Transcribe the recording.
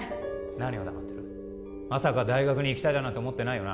何を黙ってるまさか大学に行きたいだなんて思ってないよな？